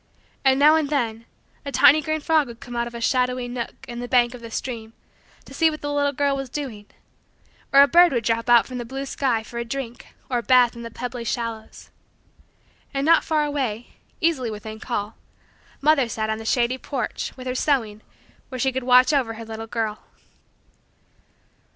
And now and then a tiny green frog would come out of a shadowy nook in the bank of the stream to see what the little girl was doing; or a bird would drop from out the blue sky for a drink or a bath in the pebbly shallows. And not far away easily within call mother sat on the shady porch, with her sewing, where she could watch over her little girl.